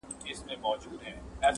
• چي له عقله یې جواب غواړم ساده یم..